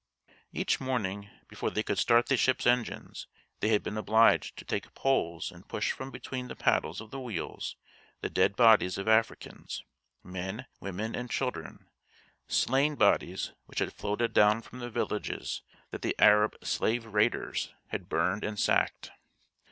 Each morning, before they could start the ship's engines, they had been obliged to take poles and push from between the paddles of the wheels the dead bodies of Africans men, women, and children slain bodies which had floated down from the villages that the Arab slave raiders had burned and sacked.